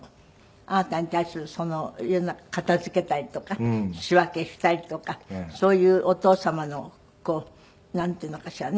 あなたに対する家の中片付けたりとか仕分けしたりとかそういうお父様のなんていうのかしらね。